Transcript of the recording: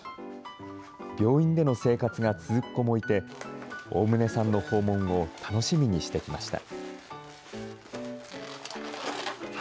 病院での生活が続く子もいて、大棟さんの訪問を楽しみにしてきました。